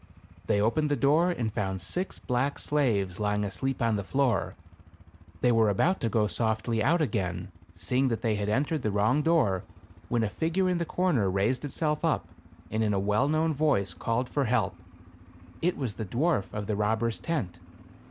They opened the door and found six black slaves lying asleep on the floor. They were about to go softly out again, seeing that they had entered the wrong door, when a figure in the corner raised itself up, and in a well known voice, called for help. It was the dwarf of the robber's tent.